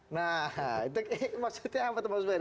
nah itu maksudnya apa pak ferry